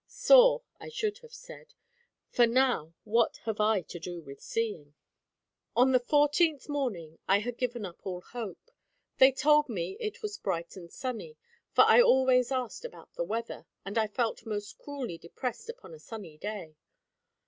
"Saw" I should have said, for now what have I to do with seeing? On the fourteenth morning, I had given up all hope. They told me it was bright and sunny; for I always asked about the weather, and felt most cruelly depressed upon a sunny day.